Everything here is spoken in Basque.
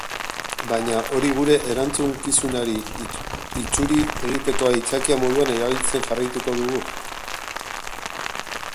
Baina, hori gure erantzukizunari itzuri egiteko aitzakia moduan erabiltzen jarraituko dugu?